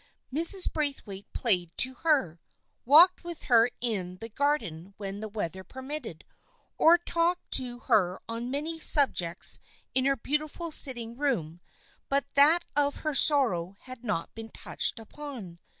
Mrs. Braithwaite played to her, walked with her in the garden when the weather permitted, or talked to her on many subjects in her beautiful sitting room, but that of her sorrow had not been touched upon.